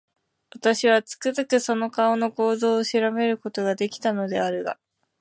私は、つくづくその顔の構造を調べる事が出来たのであるが、